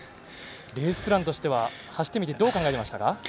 レースプランとしては走ってみてどう考えていましたか。